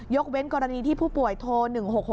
เว้นกรณีที่ผู้ป่วยโทร๑๖๖